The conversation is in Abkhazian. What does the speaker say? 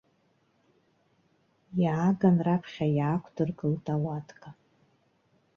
Иааган раԥхьа иаақәдыргылт ауатка.